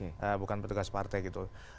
dan juga dengan bukan petugas partai